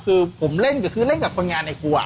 คือผมเล่นแบบเพราะเล่นกับคนงานในครัว